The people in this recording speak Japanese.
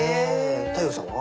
太陽さんは？